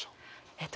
えっと